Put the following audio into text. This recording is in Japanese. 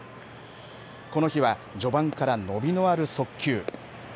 この日は序盤から伸びのある速球。